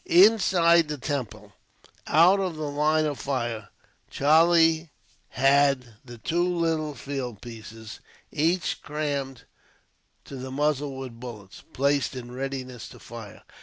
Inside the temple, out of the line of fire, Charlie had the two little field pieces, each crammed to the muzzle with bullets, placed in readiness to fire.